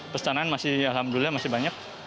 pesanan masih alhamdulillah masih banyak